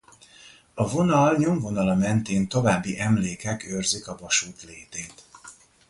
A vonal nyomvonala mentén további emlékek őrzik a vasút létét.